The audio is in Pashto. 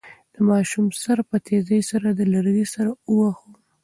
د ماشوم سر په تېزۍ سره له لرګي سره وواهه.